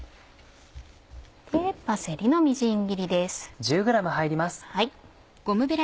パセリのみじん切りです。